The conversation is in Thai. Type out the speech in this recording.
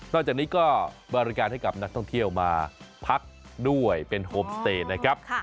จากนี้ก็บริการให้กับนักท่องเที่ยวมาพักด้วยเป็นโฮมสเตย์นะครับ